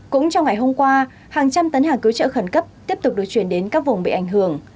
cũng trong ngày hôm qua hàng trăm tấn hàng cứu trợ khẩn cấp tiếp tục được chuyển đến các vùng bị ảnh hưởng